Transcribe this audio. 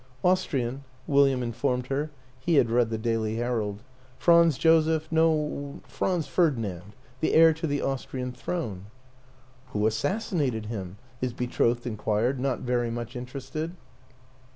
" Austrian," William informed her. (He had read the Daily Herald.) " Franz Joseph no, Franz Ferdinand the heir to the Austrian throne." "Who assassinated him?" his betrothed in quired, not very much interested.